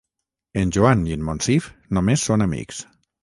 En Joan i en Monsif només són amics.